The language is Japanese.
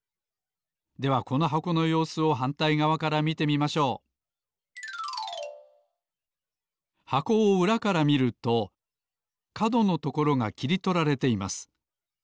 ではこの箱のようすをはんたいがわから見てみましょう箱をうらから見るとかどのところがきりとられています。